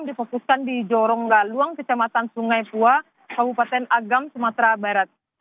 difokuskan di joronggaluang kecamatan sungai pua kabupaten agam sumatera barat